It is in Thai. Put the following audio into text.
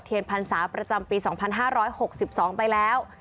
เทียนพันศาประจำปี๒๕๖๒ไปแล้ว